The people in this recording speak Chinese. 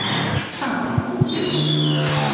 大型蝴蝶。